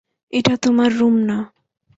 এটা তোমার রূম না।